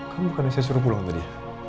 kan bukan yang saya suruh pulang tadi